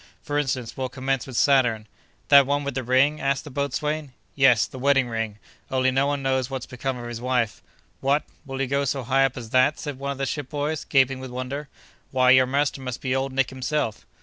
For instance, we'll commence with Saturn—" "That one with the ring?" asked the boatswain. "Yes! the wedding ring—only no one knows what's become of his wife!" "What? will you go so high up as that?" said one of the ship boys, gaping with wonder. "Why, your master must be Old Nick himself."